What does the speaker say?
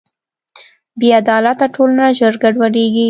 بېعدالته ټولنه ژر ګډوډېږي.